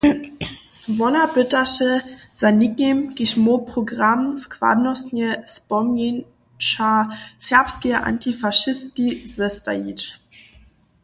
Wona pytaše za někim, kiž móhł program składnostnje spomnjeća serbskeje antifašistki zestajeć.